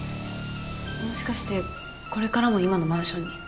もしかしてこれからも今のマンションに？